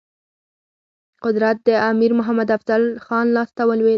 قدرت د امیر محمد افضل خان لاسته ولوېد.